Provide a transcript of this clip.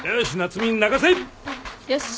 よし。